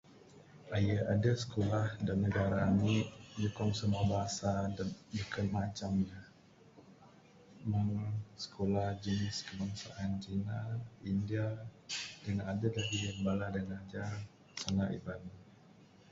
Aye adeh sikulah da nyukong simua bahasa da beken macam meng sikulah jenis Kebangsaan cina, India dangan adeh lagih bala da bilajar sanda iban